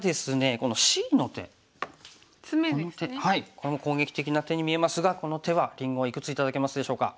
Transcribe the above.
この手はい攻撃な手に見えますがこの手はりんごいくつ頂けますでしょうか？